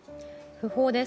訃報です。